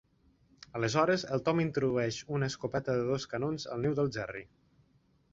Aleshores, el Tom introdueix una escopeta de dos canons al niu del Jerry.